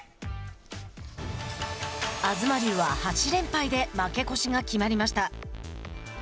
東龍は８連敗で負け越しが決まりました。